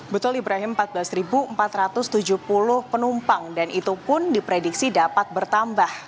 betul ibrahim empat belas empat ratus tujuh puluh penumpang dan itu pun diprediksi dapat bertambah